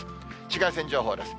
紫外線情報です。